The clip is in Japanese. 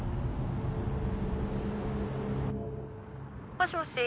☎「もしもし？